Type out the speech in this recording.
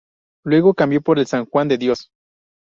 Luego cambió por el de San Juan de Dios.